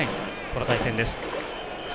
この対戦です。